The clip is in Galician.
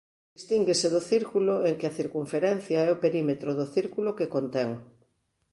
Distínguese do círculo en que a circunferencia é o perímetro do círculo que contén.